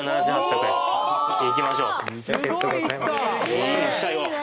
いきましょう。